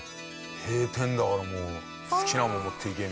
閉店だからもう好きなもの持っていけみたいな。